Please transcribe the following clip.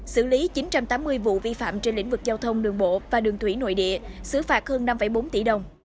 xử lý chín trăm tám mươi vụ vi phạm trên lĩnh vực giao thông đường bộ và đường thủy nội địa xử phạt hơn năm bốn tỷ đồng